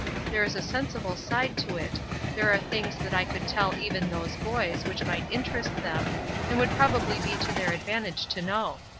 There is a sensible side to it; there are things that I could tell even those boys which might interest them, and would certainly be to their advantage to know.